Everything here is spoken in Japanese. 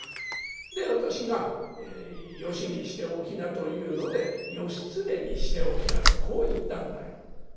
で私がよしにしておきなというので『義経にしておきな』とこう言ったんだよ」。